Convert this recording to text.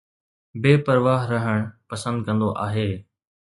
بي پرواهه رهڻ پسند ڪندو آهي